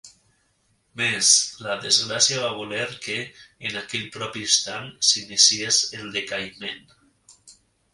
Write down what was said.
Més, la desgràcia va voler que, en aquell propi instant s'iniciés el decaïment.